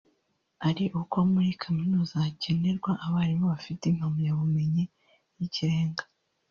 ari uko muri Kaminuza hacyenerwa abarimu bafite impamyabumenyi y’ikirenga